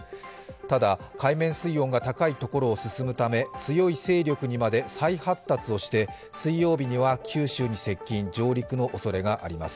ただ海面水温が高いところを進むため強い勢力にまで再発達をして、水曜日には九州に接近、上陸のおそれがあります。